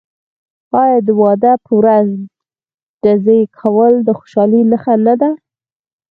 آیا د واده په ورځ ډزې کول د خوشحالۍ نښه نه ده؟